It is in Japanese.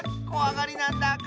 こわがりなんだ。